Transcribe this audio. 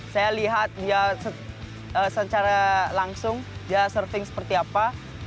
saya lihat dia secara langsung dia surfing seperti apa